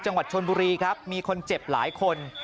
จังหวัดชนบุรีครับมีคนเจ็บหลายคน